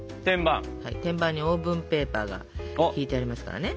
天板にオーブンペーパーが敷いてありますからね。